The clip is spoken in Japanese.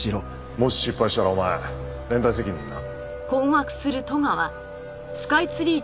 もし失敗したらお前連帯責任な。